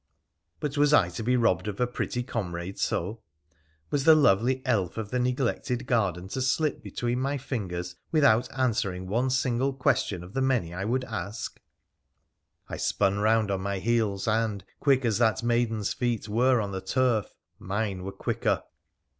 But was I to be robbed of a pretty comrade so ? Was the lovely elf of the neglected garden to slip between my fingers without answer ing one single question of the many I would ask ? I spun round upon my heels, and, quick as that maiden's feet were on the turf, mine were quicker.